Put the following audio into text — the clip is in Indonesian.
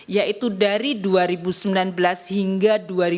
yaitu dari dua ribu sembilan belas hingga dua ribu dua puluh